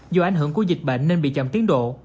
do ảnh hưởng của dịch bệnh nên bị chậm tiến độ